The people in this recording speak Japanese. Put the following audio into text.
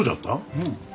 うん。